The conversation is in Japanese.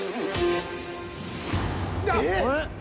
あっ！